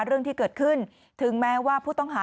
คุณผู้ชมครอบครัวบอกว่าเดี๋ยวเสร็จสิ้นหลังงานเทศกาลลอยกระทงแล้วนะคะ